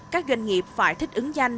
các doanh nghiệp phải thích ứng danh